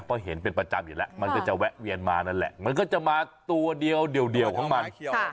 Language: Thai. เพราะเห็นเป็นประจำอยู่แล้วมันก็จะแวะเวียนมานั่นแหละมันก็จะมาตัวเดียวของมัน